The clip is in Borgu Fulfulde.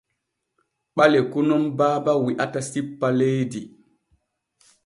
Ɓaleku nun Baaba wi’ata sippa leydi.